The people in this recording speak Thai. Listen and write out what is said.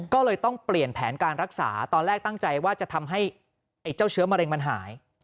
ก็เลยต้องเปลี่ยนแผนการรักษาตอนแรกตั้งใจว่าจะทำให้ไอ้เจ้าเชื้อมะเร็งมันหาย